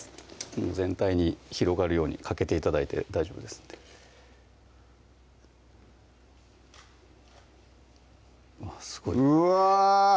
全体に広がるようにかけて頂いて大丈夫ですのですごいうわ！